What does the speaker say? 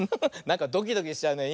なんかドキドキしちゃうね。